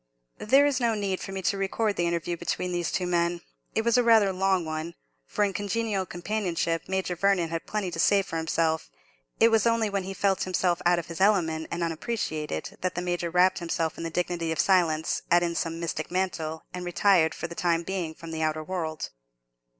There is no need for me to record the interview between these two men. It was rather a long one; for, in congenial companionship, Major Vernon had plenty to say for himself: it was only when he felt himself out of his element and unappreciated that the Major wrapped himself in the dignity of silence, as in some mystic mantle, and retired for the time being from the outer world.